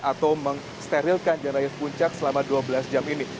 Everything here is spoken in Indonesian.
atau mensterilkan jalur jalur puncak selama dua belas jam ini